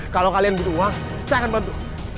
kalau kalian butuh uang saya akan bantu